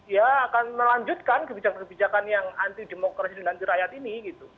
ya akan melanjutkan kebijakan kebijakan yang anti demokrasi dan anti rakyat ini